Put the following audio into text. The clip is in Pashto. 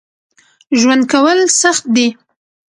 ژوند کول سخت دي